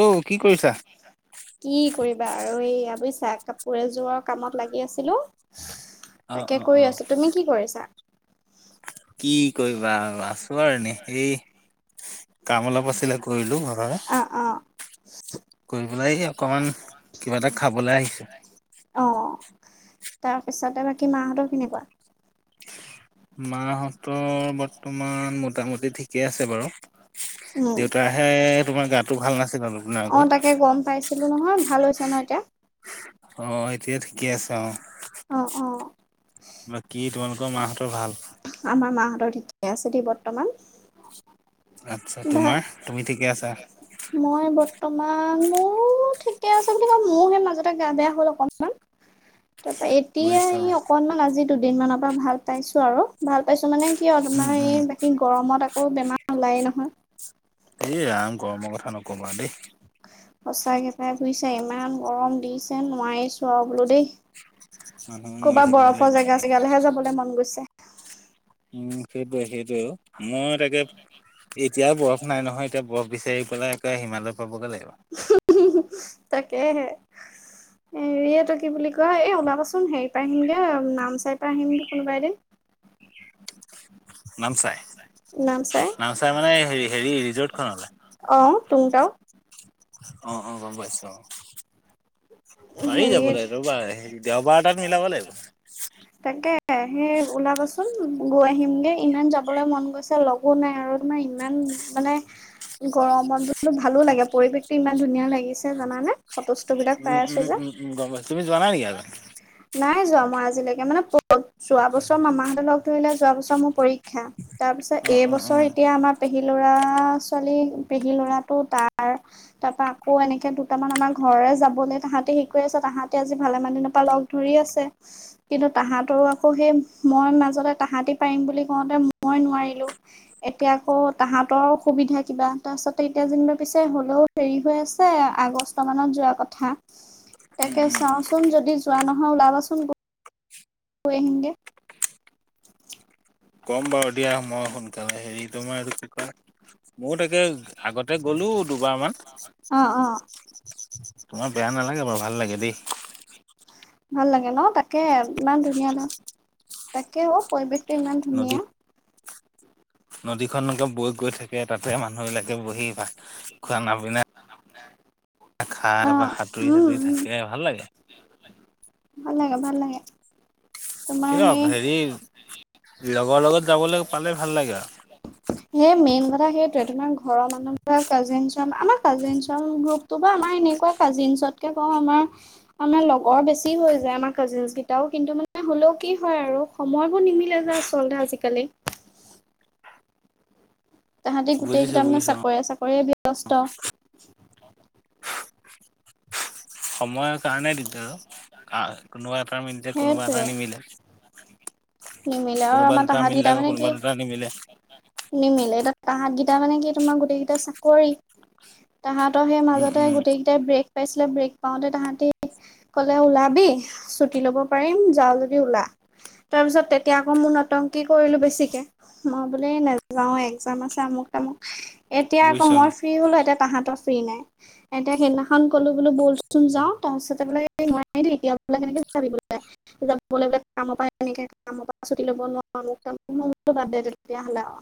অঔ কি কৰিছা? কি কৰিবা আৰু এই আ বুছা কাপোৰে এযোৰৰ কামত লাগি আছিলো? অ তাকে অ অ কৰি আছো তুমি কি কৰিছা? কি কৰিবা আছো আৰু এনে এই। কাম অলপ আছিলে কৰিলো ঘৰৰে। অ', অ', কৰি পেলাই অকমান কিবা এটা খাবলৈ আহিছে? অ'। তাৰপিছতে বাকী মাহঁতৰ কেনেকুৱা? মাহঁতৰ বৰ্তমান মোটামুটি ঠিকেই আছে বাৰু। উম, দেউতাহে তোমাৰ গাতটো ভাল নাছিলা তপোনাৰ অ' তাকে গম পাইছিলোঁ নহয়, আগত। ভাল হৈছে ন এতিয়া। অ এটোয়ে ঠিকে আছে অ। অ অ। কি তোমালোকৰ মাহঁতৰ ভাল। আমাৰ মাহঁতৰ তিতি আছে দেই বৰ্তমান। আচ্ছা বা তোমাৰ তুমি ঠিকে আছা। মই বৰ্তমান মোৰ ঠিকে আছে বুলি ক মোৰ সেই মাজতে গা বেয়া হ'ল অকনমান। [unintelligible] তাৰপৰা এতিয়া বুজিছো অ ই অকণমান আজি দুদিনমানৰ পৰা ভাল পাইছোঁ আৰু। ভাল পাইছো মানে কিয় উম তোমাৰ উম। এই বাকী গৰমত আকৌ বেমাৰ ওলায়ে নহয়। এ ৰাম গৰমৰ কথা নকবা দেই। সঁচা কেইটাই বুজিছা ইমান গৰম দিছে নোৱাৰিছোঁ আৰু বোলো দেই। মানুহ মৰি ক'ৰবাত থাকিব বৰফৰ লাগিব জেগা এনেকে। চেগালেহে যাবলৈ মন গৈছে। উম সেইটোৱে সেইটোৱে তাকে মই তাকে। এতিয়াও বৰফ নাই নহয় এতিয়া বৰফ বিচাৰি পেলাই একে হিমালয় পাবগৈ লাগিব। তাকেই হে। এৰিয়টো কি বুলি কয় এ ওলাবচোন হেৰি পৰা আহিমগে নামচাই পাই আহিম গৈ কোনোবা এদিন। [unintelligible] নামচাই নামচাই মানে হ হেৰি ৰিজৰ্টখনলে। টুংতাও। অহ অহ গম পাইছো অহ। পাৰি যাবলে হেৰিত ৰবা দেওবাৰ এটাত মিলাব লাগিব। তাকে সেই ওলাবচোন। চোন গৈ আহিমগে ইমান যাবলৈ মন গৈছে লগো নাই আৰু তোমাৰ ইমান মানে। গৰমত বোলো ভালো লাগে পৰিৱেশতো ইমান ধুনীয়া লাগিছে জানানে ফটস্ত বিলাক। পাই উম আছো যে। উম উম গম পাইছা। তুমি যোৱাাই নেকি আগত? নাই যোৱা মই আজিলৈকে মানে যোৱা বছৰ মামাহঁতে লগ ধৰিলে যোৱা বছৰ মোৰ পৰীক্ষা। তাৰপিছত অ অ অ এইবছৰ এতিয়া আমাৰ। পেহী লৰা ছোৱালী পেহী লৰাতটো তাৰ তাৰ পৰা আকৌ এনেকে দুটামান আমাৰ ঘ। ঘৰৰে যাবলে। তাহাঁতে হেৰি কৰি আছে তাহাঁতে আজি ভালেমান দিনৰ পৰা লগ ধৰি আছে কিন্তু তাহাঁতৰো আকৌ সেই। মই মাজতে তাহাঁতি পাৰিম বুলি কওঁতে মই নোৱাৰিলো এতিয়া আকৌ তাহতৰ সুবিধা সুবিধা কিবা এটা আছে এতিয়া যেনিবা পিছে হ'লেও দেৰি হৈ আছে আগষ্ট মানত যোৱা কথা। তাকে চাওঁচোন যদি যোৱা নহয় ওলাবাচোন গৈ আহিমগে। ক'ম বাৰু দিয়া মই সোনকালে হেৰি তোমাৰ এইটো কি কয় ময়ো তাকে আগতে গলো দুবাৰমান। অ অ। তোমাৰ বেয়া নালাগে বাৰু ভাল লাগে দেই। ভাল লাগে ন? তাকে ইমান ধুনীয়া ন তাকে অ পৰিৱেশ ইমান নদী ধুনীয়া। নদীখনকে বৈ গৈ থাকে তাতে মানুহবলাকে বহি ভাত খোৱা ন বিনা [inaudible] অ খাৰ বা সাঁতুৰি উম সাঁতুৰি উম থাকে ভাল লাগে। ভাল লাগে ভাল লাগে। তোমাৰ কিন্ত সেই হেৰি লগৰ লগত যাবলৈ পালে ভাল লাগে আৰু। সেইটোয়ে তোমাৰ ঘৰৰ মানুহ বা কাজিনচ আমাৰ কাজিনচ গ্ৰুপটো বা আমাৰ এনেকুৱা কাজিন পিছতকে কওঁ আমাৰ আমাৰ লগৰ বেছি হৈ যায় আমাৰ কাজিনচ কেইটাও কিন্তু মানে হ'লেও কি হয়। আৰু সময়বোৰ নিমিলে যে আচলতে আজিকালি। তাহাঁতি গোটেই বুজিছো কেইটাৰ মানে বুজিছো অ চাকৰি চাকৰিয়ে ব্যস্ত। [inaudible] সময়ৰ কাৰণে দিগদাৰ আৰু, কোনোবা এটা মিলিছে কোনোবা এটা সেইটোৱে নিমিলে। নিমিলে আৰু কোনোবা আমাৰ দুটা তাহাতি মিলিলে তাৰ আকৌ মানে কোনোবা কি দুটা নিমিলে [unintelligible] নিমিলে তাহাতকেইটা মানে কি তোমাৰ গোটেইকেইটা চাকৰি। তাহাঁতৰ সেই উম মাজতে উম গোটেইকেইটাই ব্ৰেক পাইছিলে ব্ৰেক পাওঁতে তাহাঁতি কলে ওলাবি, ছুটি লব পাৰিম যাও যদি ওলা তাৰপিছত তেতিয়া আকৌ মোৰ নতংকি কৰিলোঁ বেছিকে। মই বোলে নাযাওঁ একজাম আছে আমুক তামুক এতিয়া আকৌ বুজিছো অ মই ফ্ৰী হলো এটা তাহঁতৰ ফ্ৰী নাই, এতিয়া সেইদিনাখন কলো বোলো ব'লচোন যাওঁ তাৰপাছতে বোলে নোৱাৰে দেই এতিয়া কেনেকে যাবি বোলে যাবলে কামৰ বাবে [unintelligible] কামৰ পৰা ছুটি ল'ব নোৱাৰো মোক বাদ দে তেতিয়াহ'লে আও।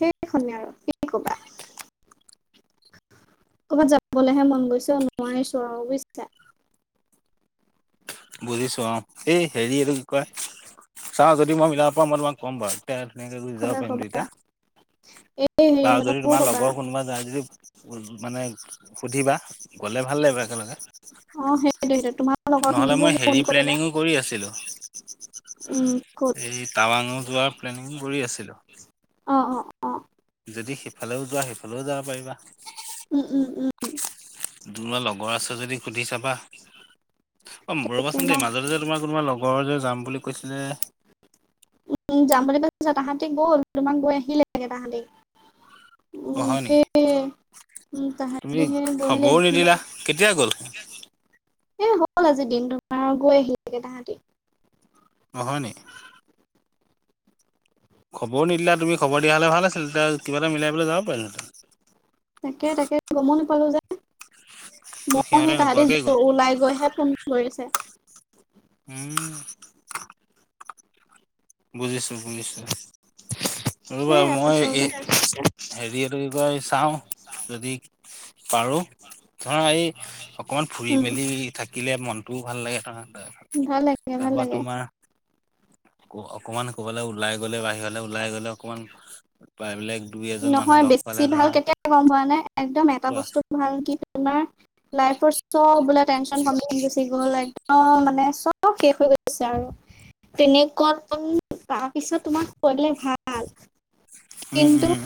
সেইখনেই আৰু কি কবা। ক'ৰবাত যাবলৈহে মন গৈছে নোৱাৰিছোঁ আৰু বুইছা। বুজিছো অ এই হেৰি এইটো কি কয়? চাওঁ যদি মই মিলাব পাৰোঁ মই তোমাক কম বাৰু এতিয়া ধুনীয়াকে যাব ক'বা পাৰিম ক'বা দুইটা। এই বা যদি হেৰিহঁতকো তোমাৰ ক'বা লগৰ কোনোবা যায় যদি উ মানে সুধিবা গলে ভাল লাগিবা একেলগে। অ' সেইটোৱে সেইটোৱে তোমাৰ নহ'লে লগৰখিনিকো মই ফোন হেৰি কৰোঁলা প্লেনিঙো কৰি আছিলোঁ উম ক'ত এই টাৱাঙো যোৱাৰ প্লেনিং কৰি আছিলো। অ অ অ। যদি সিফালেও যোৱা সেইফালেও যাব পাৰিবা উম উম উম তোমাৰ লগৰ আছে যদি সুধি চাবা। তাকে ৰবাচোন দেই ন মাজতে যে তোমাৰ কোনোবা লগৰ যে যাম বুলি কৈছিলে। উ যাম বুলি কছা তাহাঁতি গ'ল তোমাক গৈ আহিলে লাগে তাহাঁতি। [unintelligible] অ উম হয় সেই নেকি উম তাহাঁতি তুমি হে গৈ মেলি খবৰো নিদিলা আহিলেগে। কেতিয়া গ'ল [inaudible] এই হল আজি দিন তোমাৰ গৈ আহিলেগে তাহাঁতি। অ হয় নি? খবৰো নিদিলা। তুমি খবৰ দিয়া হলে ভাল আছিল তেতিয়া কিবা এটা মিলাই পেলাই যাব পৰিলোঁ হেঁতেন। মইও সেই তাহাতি নোকোৱাকেই গ'ল ওলাই গৈহে ফোন কৰিছে উম বুজিছো বুজিছো ৰবা সেয়াই মই আচলতে এই হেৰিটো কিবা চাওঁ যদি পাৰোঁ ধৰা এই অকমান ফুৰি উম মেলি থাকিলে মনটোও ভাল লাগে নহয়। ভাল লাগে ভাল লাগে। অকমান কবালে ওলাই গলে বাহিৰলৈ ওলাই গলে অকমান দুই এজন মানুহ নহয় লগ বেছি পালে ধৰা ভাল কেতিয়া গম পোৱা নাই একদম এটা কোৱা বস্তু ভাল কি তোমাৰ লাইফৰ চব বোলে টেনচন কমি গুচি গ'ল একদম মানে চব শেষ হৈ গৈছে আৰু তেনেকত তাৰপিছত তোমাক কৰিলে ভাল উম কিন্তু উম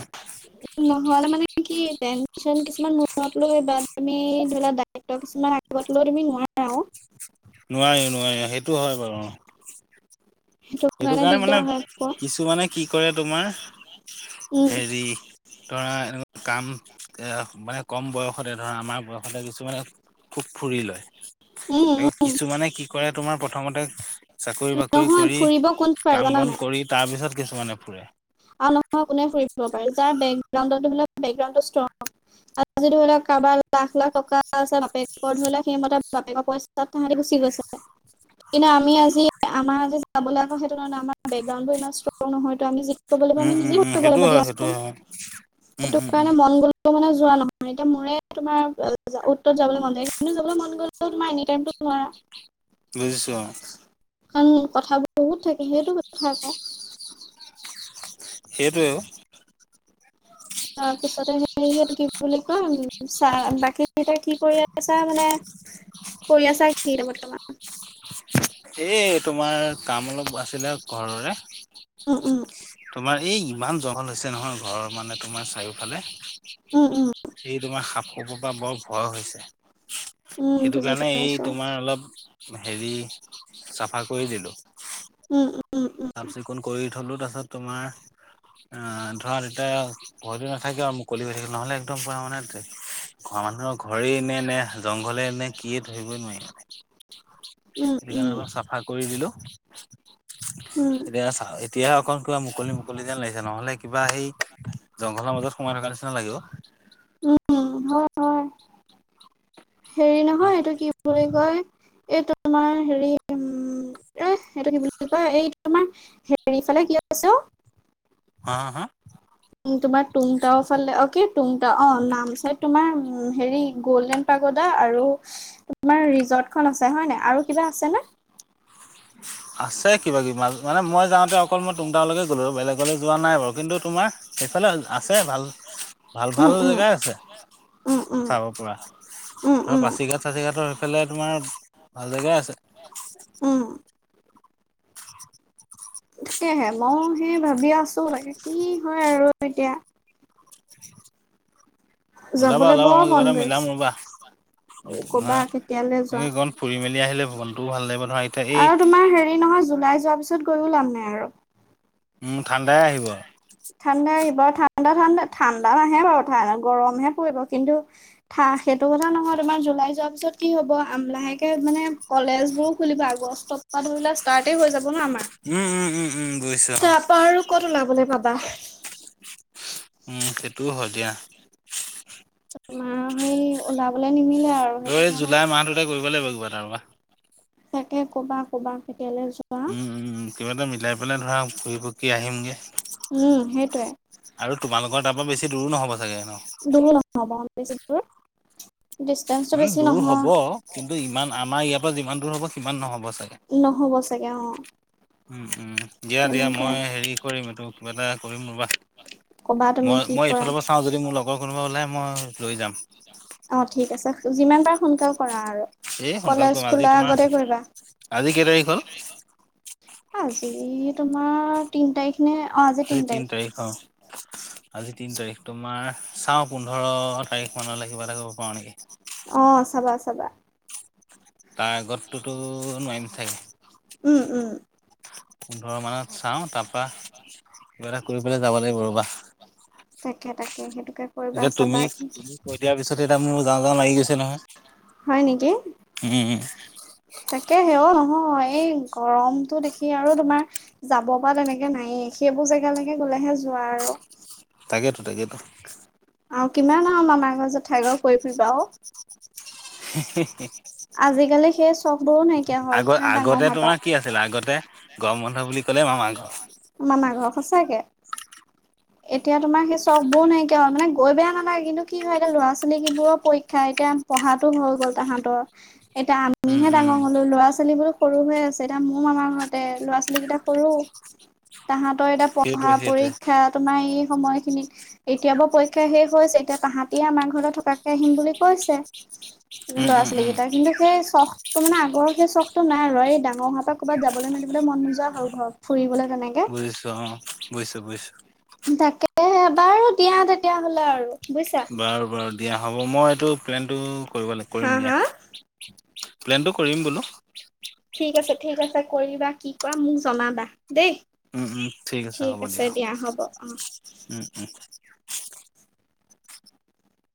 নহলে মানে কি টেনচন কিছুমান মূৰত লৈ বা তুমি ধৰি ল দায়িত্ব কিছুমান আগত লৈ তুমি নোৱাৰা নোৱাৰি নোৱাৰি সেইটো হয় বাৰু সেইটো কাৰণে মানে দিগদাৰ হয় আকৌ কিছু মানে কি কৰে তোমাৰ উম, হেৰি ধৰা এনেকোৱা কাম এ মানে কম বয়সতে ধৰা আমাৰ বয়সতে কিছুমানে খুব ফুৰি লয় উম, উম, আকৌ কিছুমানে কি কৰে তোমাৰ প্ৰথমতে চাকৰি বাকৰি নহয় কৰি ফুৰিব কোন পাৰে কাম জানা বন নাই কৰি তাৰ পিছত কিছুমানে ফুৰে আৰু নহয় কোনে ফুৰিব পাৰে যাৰ বেংক একাউণ্টৰ বেকগ্ৰাউণ্ডটো ষ্ট্ৰং আজি ধৰি লওঁক কাৰোবাৰ লাখ লাখ টকা আছে বাপেকৰ ধৰি লওঁক সেইমতে বাপেকৰ পইচা তাহাঁতি গুচি গৈছে। কিন্তু আমি আজি আমাৰ আজি যাব আকৌ সেইটো কাৰণে আমাৰ বেকগ্ৰাউ ইমান ষ্ট্ৰং নহয়তো আমি ক'ব লাগিব উম আমি নিজে উম উম সেইটো লাগিব হয় সেইটো দিয়াচোন হয় উম সেইটো উম উম কাৰণে মন গল মানে যোৱা নহয় এতিয়া মোৰে তোমাৰ উত্তৰত যাবলৈ মন যায় কিন্তু যাবলৈ মন গ'লে এনি টাইম বুজিছো অ কাৰণ কথাবোৰ বহুত থাকে সেইটো কথা কওঁ সেইটোৱে ঔ তাৰপিছতে হেৰি কি বুলি কম চা বাকীকেইটা কি কৰি আছা মানে কৰি আছা কি এতিয়া বৰ্তমান এ তোমাৰ কাম অলপ আছিলে ঘৰৰে উম, উম, তোমাৰ এই ইমান জংঘল হৈছে নহয় ঘৰৰ মানে তোমাৰ চাৰিওফালে উম উম এই [unintelligible] পৰা বৰ ভয় হৈছে উম, সেইটো বুজি কাৰণে এই পাইছোঁ তোমাৰ অলপ হেৰি চাফা কৰি দিলো। উম, চাফ চিকুণ কৰি থলো তাৰপিছত ছত তোমাৰ আহ ধৰা তেতিয়া ভয়টো নাথাকে আৰু [unintelligible] নহ'লে একদম পুৰা মানে ঘৰ মানুহৰ ঘৰে এনে নে জংঘলে নে কি এই ধৰিবই নোৱাৰি উম, সেইটো কাৰণে উম, অলপ চাফা কৰি দিলো। উম, এতিয়া চা এতিয়াহে অকল কিবা মুকলি মুকলি যেন লাগিছে নহলে কিবা সেই জংঘলৰ মাজত সোমাই থকা নিচিনা লাগিব। উম, হয়, হয়, হেৰি তাৰ নহয় এইটো কি বুলি কয় এই তোমাৰ হেৰি উ এ এইটো কি বুলি কয় এই তোমাৰ হেৰিফালে কি আছে ঔ হা হা উ তোমাৰ টুংটাও ফালে অ কি টুংটাও অ নাম চাই তোমাৰ হেৰি গল্ডেন পাগোদা আৰু তোমাৰ ৰিজৰ্ট খন আছে হয় নাই আৰু কিবা আছে না আছে কিবা কিবা মানে মই যাওঁতে অকল মই তোংটাংলৈকে গ'লোঁ বেলেগলৈ যোৱা নাই বাৰু কিন্তু তোমাৰ সেফালে আছে ভাল ভাল ভাল উম, উম, জেগাই আছে উম, উম, চাব পৰা উম, ধৰা উম, পাচি ঘাট চাচিঘাটৰ সেফালে তোমাৰ ভাল জেগা আছে উম তাকেহে ময়ো সেই ভাবি আছো তাকে কি হয় আৰু এতিয়া ওলাবা যাবলৈ ওলাবা‌ বৰ মই কিবা মন এটা গৈছে। মিলাম ৰবা ধৰা ক'বা কেতিয়ালৈ যোৱা তুমি ‌অকণ‌ ফুৰি মেলি আহিলে মনটোও ভাল লাগিব ধৰা এতিয়া এই আৰু তোমাৰ হেৰি নহয় জুলাই যোৱাৰ পিছত গৈয়ো লাভ নাই আৰু উম ঠাণ্ডা ঠাণ্ডা এইবাৰ ঠাণ্ডা ঠাণ্ডা ঠাণ্ডা নাহে বাৰু ঠা গৰমহে পৰিব কিন্তু সেইটো কথা নহয় তোমাৰ জুলাই যোৱাৰ পিছত কি হব আম লাহেকে মানে কলেজ বোৰো খুলিব আগষ্টৰ পৰা ধৰি লোৱা ষ্টাৰ্টেই হৈ যাব। উম উম উম উম বুজিছো অ তাৰপা আৰু ক'ত ওলাবলৈ পাবা উম সেইটোও হয় দিয়া মাৰ সেই ওলাবলৈ নিমিলে সেইটো এই জুলাই মাহটোতে কৰিব লাগিব কিবা কাৰণে এটা ৰ'বা তাকে কবা ক'বা ‌ হোটেললে যোৱা উম উম উম কিবা এটা মিলাই পেলাই ধৰা ঘূৰি পুকি আহিমগে উম সেইটোৱে আৰু তোমালোকৰ তাৰ পৰা বেছি দূৰো নহব চাগে ন হো মানে দূৰ হব কিন্তু ইমান আমাৰ ইয়াৰ পৰা যিমান দূৰ হব সিমান নহ'ব চাগে নহ'ব চাগে অঁ উ উম দিয়া দিয়া মই হেৰি কৰিম এইটো কিবা এটা কৰিম ৰ'বা কবা তুমি মই কি মই কৰা এইফালৰ পৰা চাওঁ যদি মোৰ লগৰ কোনোবা ওলাই মই লৈ যাম। অঁ ঠিক আছে যিমান পাৰা সোনকালেই কৰা আৰু এ সোনকালে কলেজ কম আজি খোলাৰ তোমাৰ আগতে কৰিবা আজি কেই তাৰিখ হল আজি তোমাৰ তিন তাৰিখ নে অঁ আজি তিন তাৰিখ তিনি তাৰিখ তোমাৰ চাওঁ পোন্ধৰ তাৰিখ মানলৈ কিবা এটা কৰিব পাৰোঁ নেকি অঁ চাবা চাবা তাৰ আগতটোতো নোৱাৰিম চাগে উম উম। পোন্ধৰ মানত চাওঁ তাৰ পৰা কিব এটা কৰি পেলাই যাব লাগিব ৰ'বা। তাকে তাকে সেইটো এতিয়া তুমি তুমি কৈ দিয়াৰ পিছত এতিয়া মোৰ যাওঁ যাওঁ লাগি গৈছে নহয়। হয় নেকি। উম, উম অ- এই গৰমটো দেখি আৰু তোমাৰ যাব পৰা তেনেকে নায়েই সেইবোৰ জেগালৈকে লাহেকে যোৱা আৰু। তাকেতো তাকেটো। অঁ কিমান আৰু মামা ঘৰ, জেঠাই ঘৰ ঘূৰি ফুৰিবা আৰু হেঁ হেঁ আজিকালি সেই চখবোৰো নাইকিয়া হল আগ আগতে ডাঙৰ হোৱাৰ তোমাৰ কি আছিলে আগতে গৰম বন্ধ বুলি ক'লে মামা পৰা। ঘৰ মামা ঘৰ সঁচাকে এতিয়া তোমাৰ সেই চখবোৰ নাইকিয়া হ'ল মানে গৈ বেয়া নালাগে কিন্তু কি হয় এতিয়া ল'ৰা ছোৱালী যি বোৰৰ পৰীক্ষা এতিয়া পঢ়াতো হৈ গ'ল তাহাঁতৰ এতিয়া উম আমিহে উম ডাঙৰ হলো ল'ৰা ছোৱালীবোৰ সৰু হৈ আছে এতিয়া মোৰ মামাৰ ঘৰতে ল'ৰা ছোৱালী কেইটা সৰু তাহত তই এতিয়া সেইটোৱে পঢ়া সেইটোৱে পৰীক্ষা তোমাৰ এই সময় খিনিত কেতিয়াবা পৰীক্ষা শেষ হৈছে এতিয়া তাহাঁতিয়ে আমাৰ ঘৰলৈ থকাকে আহিম বুলি কৈছে। উম ল'ৰা উম ছোৱালী উম কেইটা কিন্তু সেই চখ ত মানে আগৰ সেই চখতো নাই আৰু এই ডাঙৰ হৈ অহাৰ পৰা ক'ৰবাৰলৈ যাবলৈ মেলিবলৈ মন নোযোৱা হ'ল আৰু ঘৰত ফুৰিবলৈ তেনেকে বুজিছো অঁ বুজিছো বুজিছো। তাকেহে এবাৰ দিয়া তেতিয়া হলে আৰু বুজিছা বাৰু বাৰু দিয়া হ'ব মই এইটো প্লেনটো কৰিব লাগ হা কৰিম দিয়া। হা প্লেনটো কৰিম বোলো। ঠিক আছে ঠিক আছে কৰিবা। কি কৰা মোক জনাবা। দেই উমম ঠিক আছে হ'ব দিয়া।